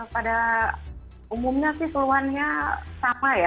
pada umumnya sih keluhannya sama ya